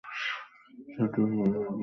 সাপটি ভয়াবহ বিপজ্জনক।